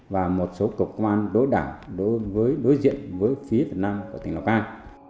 và một số cục công an đối đảo đối diện với phía việt nam của tỉnh nào cai